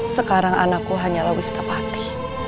sekarang anakku hanyalah wistapati